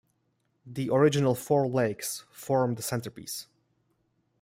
The original four lakes form the centrepiece.